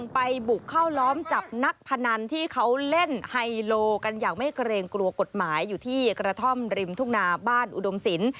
เปลี่ยนยังหรอซ่อมรถเหรอ